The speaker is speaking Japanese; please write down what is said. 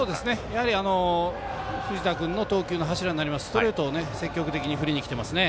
やはり藤田君の投球の柱になるストレートを積極的に振りにきてますね。